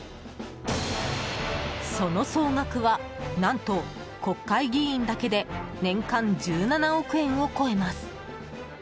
その総額は、何と国会議員だけで年間１７億円を超えます。